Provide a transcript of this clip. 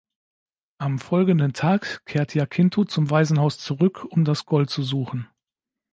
Am folgenden Tag kehrt Jacinto zum Waisenhaus zurück, um das Gold zu suchen.